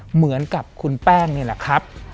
เหมือนกับคุณแป้งนี่แหละครับ